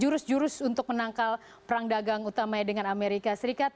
jurus jurus untuk menangkal perang dagang utamanya dengan amerika serikat